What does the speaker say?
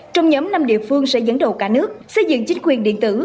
trong nhóm năm địa phương sẽ dẫn đầu cả nước xây dựng chính quyền điện tử